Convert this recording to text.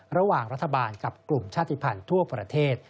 ระหว่างรัฐบาลกับกลุ่มชาติภัณฑ์ทั่วประเทศ